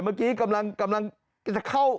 เมื่อกี้กำลังจะเข้า